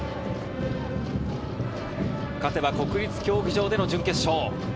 勝てば国立競技場での準決勝。